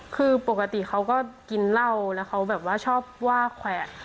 คือปกติเขาก็กินเหล้าแล้วเขาแบบว่าชอบว่าแขวะ